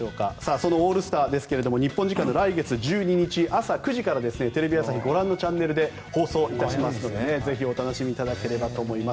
そのオールスターですが日本時間の来月１２日朝９時からテレビ朝日のご覧のチャンネルで放送いたしますのでぜひお楽しみいただければと思います。